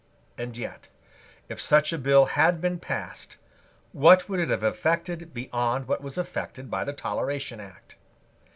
And yet, if such a bill had been passed, what would it have effected beyond what was effected by the Toleration Act?